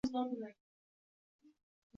Kichkina shahzodani ko‘rishi bilan.